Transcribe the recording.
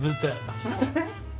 ハハハ！